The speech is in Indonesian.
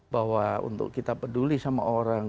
bahwa untuk kita peduli sama orang